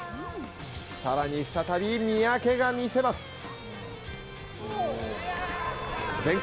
さらに再び三宅が見せます。